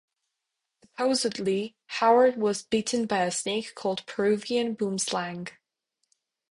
Supposedly Howard was bitten by a snake called a Peruvian boomslang.